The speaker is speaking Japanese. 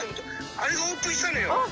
あれがオープンしたのよ。